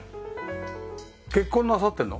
結婚なさってるの？